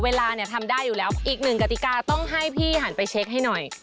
เวลาเนี่ยทำได้อยู่แล้วอีกหนึ่งกติกาต้องให้พี่หันไปเช็คให้หน่อย